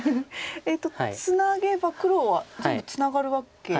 ツナげば黒は全部ツナがるわけですか？